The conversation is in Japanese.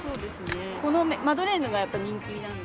このマドレーヌがやっぱり人気なので。